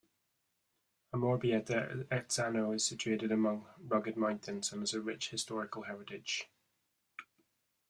Amorebieta-Etxano is situated among rugged mountains and has a rich historical heritage.